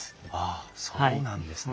あそうなんですね。